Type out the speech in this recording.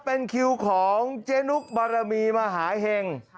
เป็นคิวของเจ๊นุกบารมีมหาเห็ง